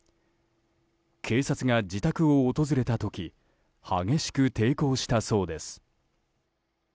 警察が自宅を訪れた時激しく抵抗したそうです。